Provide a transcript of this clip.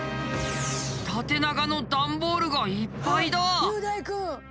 縦長の段ボールがいっぱいだ。